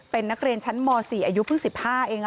เป็นนักเรียนชั้นม๔อายุเพิ่ง๑๕เอง